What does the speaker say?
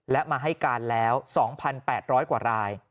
และมาให้การแล้ว๒๘๐๐กว่าราย